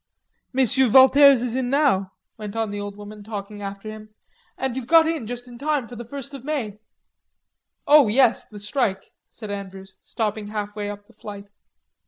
"Monsieur Valters is in now," went on the old woman, talking after him. "And you've got in just in time for the first of May." "Oh, yes, the strike," said Andrews, stopping half way up the flight.